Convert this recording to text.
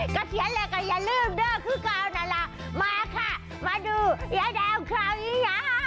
เกษียณอะไรก็อย่าลืมเดินครึ่ง๙นาลามาดูยาแดวคราวนี้